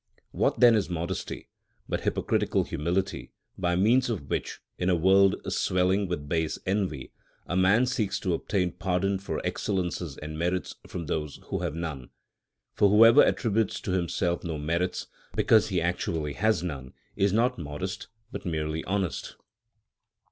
What then is modesty but hypocritical humility, by means of which, in a world swelling with base envy, a man seeks to obtain pardon for excellences and merits from those who have none? For whoever attributes to himself no merits, because he actually has none, is not modest but merely honest.